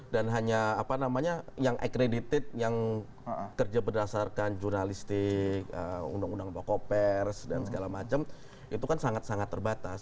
dan hanya apa namanya yang accredited yang kerja berdasarkan jurnalistik undang undang bako pers dan segala macam itu kan sangat sangat terbatas